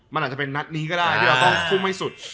มันอาจจะเป็นนัดนี้ก็ได้ที่เราต้องทุ่มให้สุด